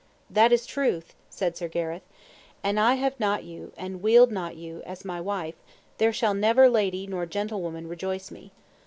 That is truth, said Sir Gareth; an I have not you and wield not you as my wife, there shall never lady nor gentlewoman rejoice me.